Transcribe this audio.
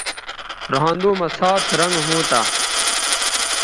رھاندو مہ سات رنگ ھونتہ